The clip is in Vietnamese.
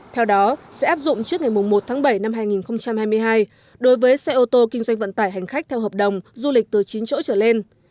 theo đó sẽ áp dụng trước ngày một tháng bảy năm hai nghìn hai mươi hai đối với xe ô tô kinh doanh vận tải hành khách theo hợp đồng du lịch từ chín chỗ trở lên